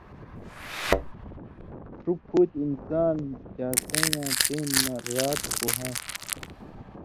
شُو پُھوتیۡ انسان چاسَیں یاں ٹېم مہ رات پُوہان٘سں